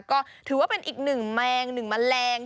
ก็ถือว่าเป็นอีกหนึ่งแมงหนึ่งแมลง